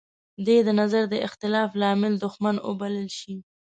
دی د نظر د اختلاف لامله دوښمن وبلل شي.